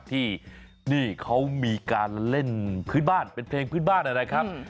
ที่นี่เขามีการเล่นพื้นบ้านเป็นเพลงพื้นบ้านนะครับ